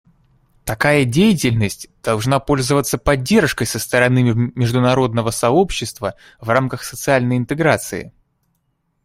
Такая деятельность должна пользоваться поддержкой со стороны международного сообщества в рамках социальной интеграции.